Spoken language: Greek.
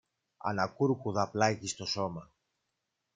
ανακούρκουδα πλάγι στο σώμα.